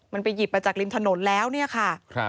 มันไปหยิบมาจากริมถนนแล้วเนี่ยค่ะ